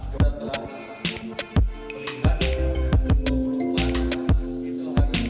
kita telah melihat dua puluh empat itu harus